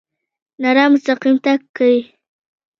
رڼا مستقیم تګ کوي.